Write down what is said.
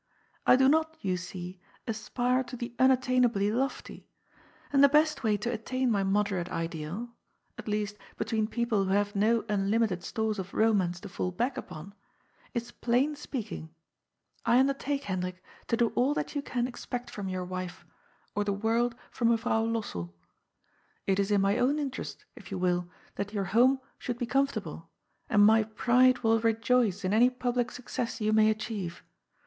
I do not, you see, aspire to the unattainably lofty. And the best way to attain my moderate ideal — at least, between people who haye no unlimited stores of romance to fall back upon — is plain speaking. I undertake, Hendrik, to do all that you can ex pect from your wife, or the world from Meyrouw Lossell. A PARTNERSHIP WITH LIMITED LIABILITY. 249 It is in my own interest, if yon will, that your home should be comfortable, and my pride will rejoice in any public suc eess you may achieve.